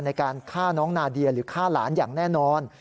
ในการฆ่าน้องนาเดียหรือฆ่าหลานอย่างแน่นอน